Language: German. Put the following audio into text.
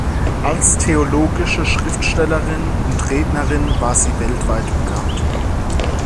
Als theologische Schriftstellerin und Rednerin war sie weltweit bekannt.